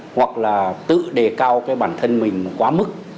hoặc là tự đề cao cái bản thân mình quá mức